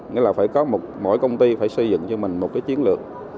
nghĩa là phải có một mỗi công ty phải xây dựng cho mình một chiến lược